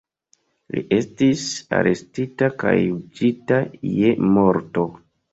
Li estis arestita kaj juĝita je morto.